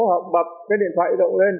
họ bập cái điện thoại động lên